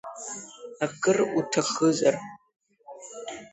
Акыр уҭахызар?